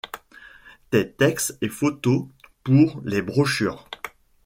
Tes textes et photos pour les brochures.